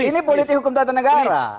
ini politik hukum tata negara